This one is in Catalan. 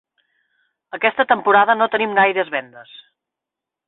Aquesta temporada no tenim gaires vendes.